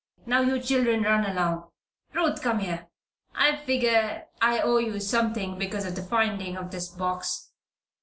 "Now you children run along. Ruth, come here. I figger I owe you something because of the finding of this box.